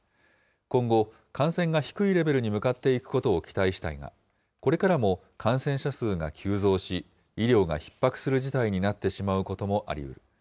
今後、感染が低いレベルに向かっていくことを期待したいが、これからも感染者数が急増し、医療がひっ迫する事態になってしまうこともありうる。